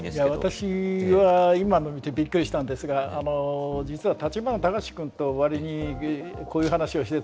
私は今の見てびっくりしたんですが実は立花隆君と割にこういう話をしてたんですね。